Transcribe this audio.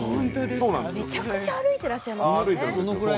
めちゃくちゃ歩いていらっしゃいますよね。